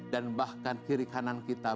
dan bahkan kiri kanan kita